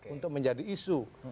untuk menjadi isu